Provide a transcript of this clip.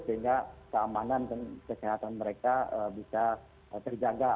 sehingga keamanan dan kesehatan mereka bisa terjaga